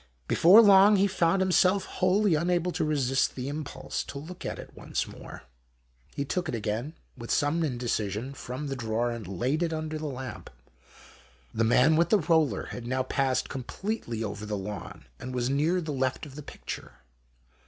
Before long, he found himself 11 GHOST TUBS. wholly unable to resist the impulse to look at it once more. He took it again, with some in decision, from the drawer and laid it under the lamp. The man with the roller had now passed completely over the lawn, and was near the left of the picture.